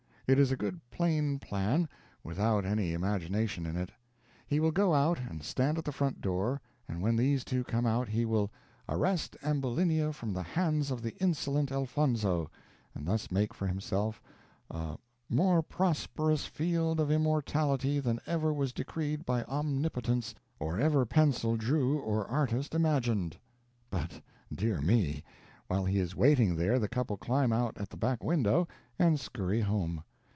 It is a good plain plan, without any imagination in it. He will go out and stand at the front door, and when these two come out he will "arrest Ambulinia from the hands of the insolent Elfonzo," and thus make for himself a "more prosperous field of immortality than ever was decreed by Omnipotence, or ever pencil drew or artist imagined." But, dear me, while he is waiting there the couple climb out at the back window and scurry home!